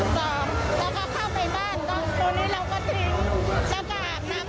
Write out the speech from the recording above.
ใส่ซอมแล้วก็เข้าไปบ้านตรงตรงนี้เราก็ทิ้ง